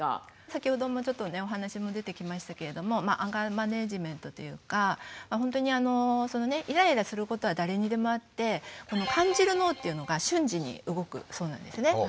先ほどもちょっとねお話も出てきましたけれどもアンガーマネジメントというかほんとにあのイライラすることは誰にでもあって感じる脳というのが瞬時に動くそうなんですね。